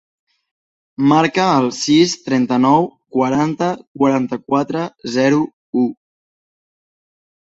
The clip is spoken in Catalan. Marca el sis, trenta-nou, quaranta, quaranta-quatre, zero, u.